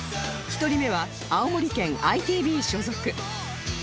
１人目は青森県 ＩＴＢ 所属